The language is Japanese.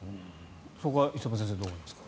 そこは磯山先生どう思いますか？